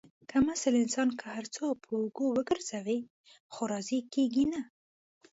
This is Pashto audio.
کم اصل انسان که هر څو په اوږو وگرځوې، خو راضي کېږي نه.